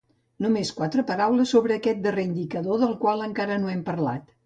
Només quatre paraules sobre aquest darrer indicador del qual encara no hem parlat.